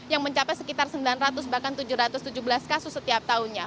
yang mencapai sekitar sembilan ratus bahkan tujuh ratus tujuh belas kasus setiap tahunnya